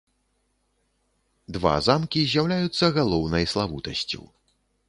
Два замкі з'яўляюцца галоўнай славутасцю.